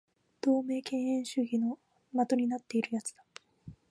同盟敬遠主義の的になっている奴だ